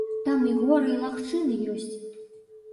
Там і горы і лагчыны ёсць.